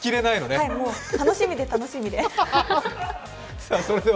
楽しみで楽しみで。